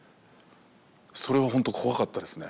それはほんと怖かったですね。